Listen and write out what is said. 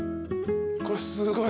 これすごい。